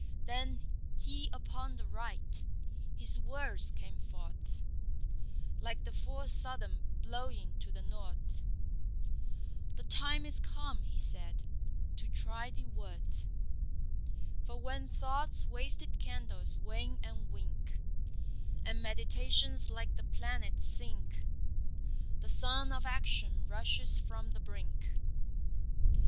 Then He upon the Right. His words came forth Like the full Southern blowing to the north. 'The time is come,' he said, 'to try thy worth. For when Thought's wasted candles wane and wink, And meditations like the planets sink, The sun of Action rushes from the brink.